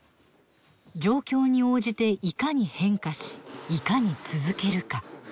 状況に応じていかに変化しいかに続けるか。